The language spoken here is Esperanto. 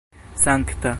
sankta